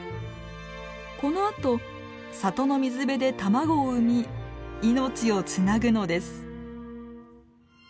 このあと里の水辺で卵を産み命をつなぐのです。